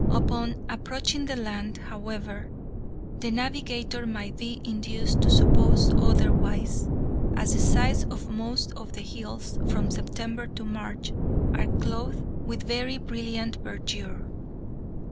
Upon approaching the land, however, the navigator might be induced to suppose otherwise, as the sides of most of the hills, from September to March, are clothed with very brilliant verdure.